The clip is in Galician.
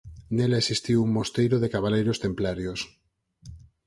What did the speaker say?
Nela existiu un mosteiro de cabaleiros templarios.